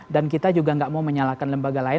dan kita juga nggak mau menyalahkan lembaga lain